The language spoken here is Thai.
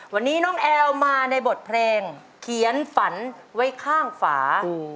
วันนี้น้องแอลมาในบทเพลงเขียนฝันไว้ข้างฝา